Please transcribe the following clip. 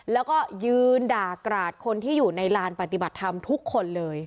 แล้วก็ยืนด่ากราดคนที่อยู่ในลานปฏิบัติธรรมทุกคนเลย